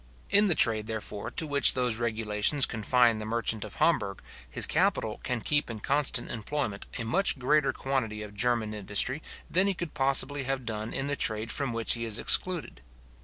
In the trade, therefore, to which those regulations confine the merchant of Hamburg, his capital can keep in constant employment a much greater quantity of German industry than he possibly could have done in the trade from which he is excluded.